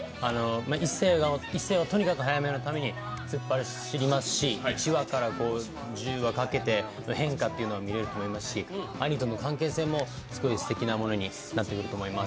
壱成はとにかく早梅のために突っ走りますし、１話から１０話かけて変化が見られると思いますし、兄との関係性もすごい素敵なものになっていくと思います。